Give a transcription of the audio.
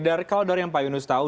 dari kalau dari yang pak yunus tahu